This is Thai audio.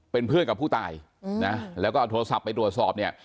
เป็นเพื่อนกับผู้ตายนะแล้วก็เอาโทรศัพท์ไปตรวจสอบเนี่ย